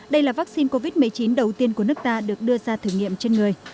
đây là vaccine covid một mươi chín đầu tiên của nước ta được đưa ra thử nghiệm trên người